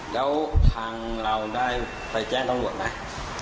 แล้วทางเราได้ไปแจ้งตำรวจไหม